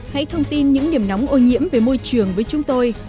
hãy thông tin những điểm nóng ô nhiễm về môi trường với chúng tôi